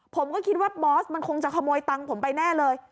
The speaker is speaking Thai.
ผมก็คิดว่าบอสมันคงจะขโมยตังค์ผมไปแน่เลย